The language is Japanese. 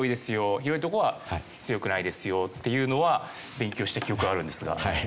広い所は強くないですよっていうのは勉強した記憶があるんですが。